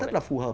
rất là phù hợp